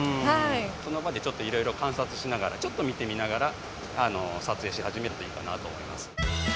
その場でいろいろ観察しながらちょっと見てみながら撮影しはじめるといいかなと思います。